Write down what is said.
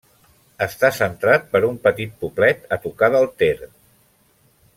Està centrat per un petit poblet a tocar del Ter.